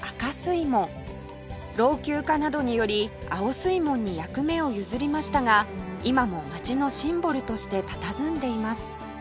老朽化などにより青水門に役目を譲りましたが今も街のシンボルとしてたたずんでいます